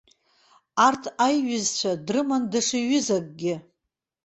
Арҭ аиҩызцәа дрыман даҽа ҩызакгьы.